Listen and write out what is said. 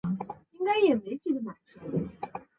盛行修筑古坟的时代。